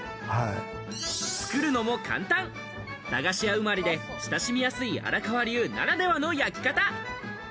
作るのも簡単、駄菓子屋生まれで親しみやすい荒川流ならではの焼き方。